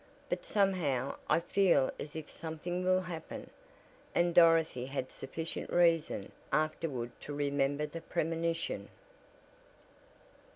But somehow I feel as if something will happen," and Dorothy had sufficient reason afterward to remember the premonition.